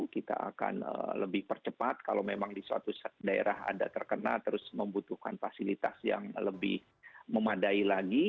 kita akan lebih percepat kalau memang di suatu daerah ada terkena terus membutuhkan fasilitas yang lebih memadai lagi